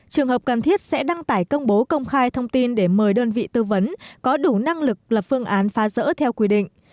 trường hợp cần thiết sẽ đăng tải công bố công khai thông tin để mời đơn vị tư vấn có đủ năng lực lập phương án phá rỡ theo quy định